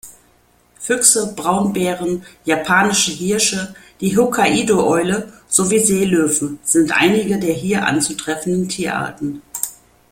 Füchse, Braunbären, japanische Hirsche, die Hokkaido-Eule sowie Seelöwen sind einige der hier anzutreffenden Tierarten.